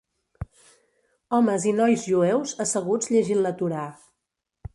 Homes i nois jueus asseguts llegint la Torà.